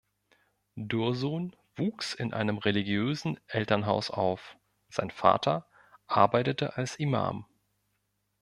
Dursun wuchs in einem religiösen Elternhaus auf, sein Vater arbeitete als Imam.